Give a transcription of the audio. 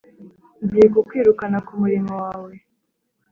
Ngiye kukwirukana ku murimo wawe,